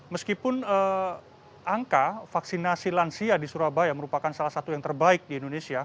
meskipun angka vaksinasi lansia di surabaya merupakan salah satu yang terbaik di indonesia